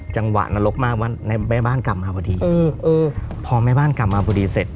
จังหวะนรกมากว่าแม่บ้านกลับมาพอดีพอแม่บ้านกลับมาพอดีเสร็จ